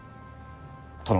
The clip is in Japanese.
殿。